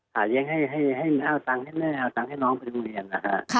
เลี้ยงให้เอาตังค์ให้แม่เอาตังค์ให้น้องไปโรงเรียนนะฮะ